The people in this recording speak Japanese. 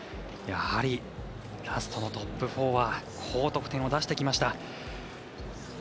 やはり、ラストのトップ４は高得点を出してきました。